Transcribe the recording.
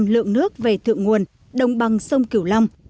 hai mươi lượng nước về thượng nguồn đồng bằng sông cửu long